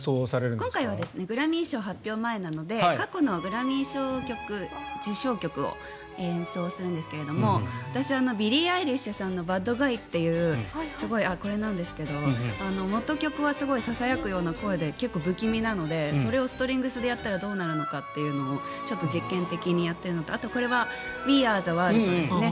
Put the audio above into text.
今回はグラミー賞発表前なので過去のグラミー賞受賞曲を演奏するんですが私、ビリー・アイリッシュさんの「バッド・ガイ」というこれなんですけど元曲はすごくささやくような声で結構不気味なのでそれをストリングスでやったらどうなるのかというのをちょっと実験的にやってるのとあとはこれは「ウィ・アー・ザ・ワールド」です。